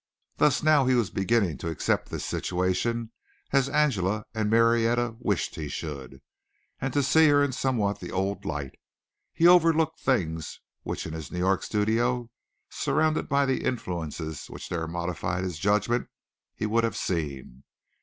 Thus, now he was beginning to accept this situation as Angela and Marietta wished he should, and to see her in somewhat the old light. He overlooked things which in his New York studio, surrounded by the influences which there modified his judgment, he would have seen.